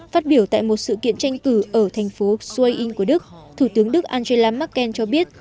phát biểu tại một sự kiện tranh cử ở thành phố soaing của đức thủ tướng đức angela merkel cho biết